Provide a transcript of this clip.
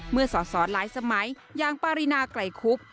เมื่อส่อหลายสมัยยางปารินาไกลคุบ